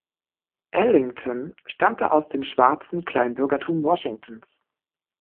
Ellington stammte aus dem schwarzen Kleinbürgertum Washingtons.